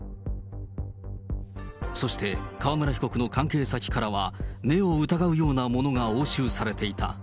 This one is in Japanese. そして川村被告の関係先からは、目を疑うようなものが押収されていた。